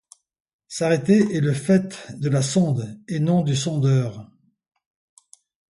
S'arrêter est le fait de la sonde et non du sondeur.